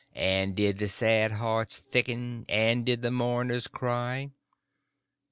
And did the sad hearts thicken, And did the mourners cry?